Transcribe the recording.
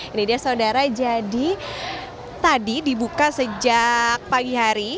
ini dia saudara jadi tadi dibuka sejak pagi hari